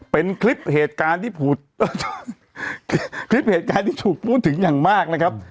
เป็นคลิปเหตุการณ์ที่ถูกพูดถึงอย่างมากนะครับ